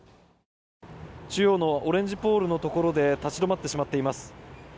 中央のオレンジポールのところで立ち止まってしまっています。